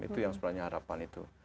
itu yang sebenarnya harapan itu